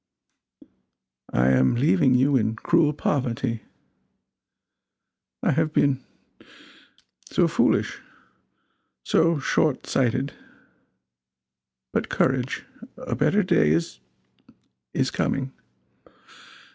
"I am leaving you in cruel poverty. I have been so foolish so short sighted. But courage! A better day is is coming.